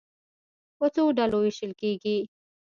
په څو ډلو وېشل کېږي.